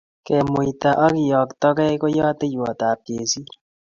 Kamuitaet ak keyoktogei ko yateiywotap kesir